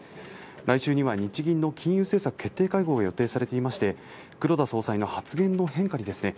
来週には日銀の金融政策決定会合が予定されていまして黒田総裁の発言の変化にですね